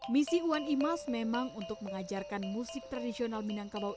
misi wan imas memang untuk mengajarkan musik tradisional minangkabau